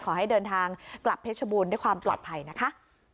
ขอให้เดินทางกลับเพชรบูรณ์ด้วยความปลอดภัยนะคะ